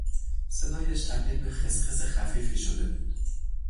صدایش تبدیل به خسخس خفیفی شده بود.